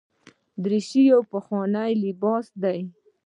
دریشي یو پخوانی لباس دی.